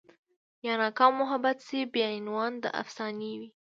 يا ناکامه محبت شي بيا عنوان د افسانې وي